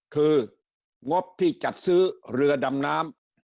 คืองบที่จัดซื้อเรือดำน้ำ